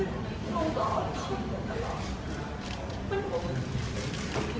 มันมึงต่ออดทนอยู่ตลอด